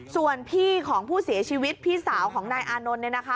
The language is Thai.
ส่วนพี่ของผู้เสียชีวิตพี่สาวของนายอานนท์เนี่ยนะคะ